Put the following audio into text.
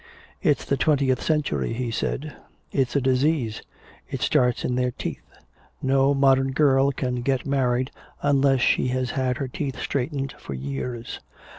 It's the twentieth century," he said. "It's a disease. It starts in their teeth. No modern girl can get married unless she has had her teeth straightened for years.